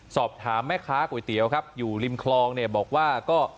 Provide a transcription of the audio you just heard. สอบถามแม่ค้าก๋วยเตี๋ยวครับอยู่ริมคลองเนี่ยบอกว่าก็